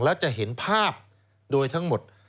แล้วจะเห็นภาพโดยทั้งหมด